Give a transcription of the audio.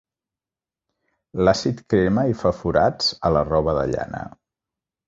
L'àcid crema i fa forats a la roba de llana.